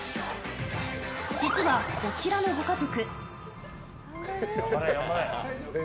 実は、こちらのご家族。